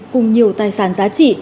cùng nhiều tài sản giá trị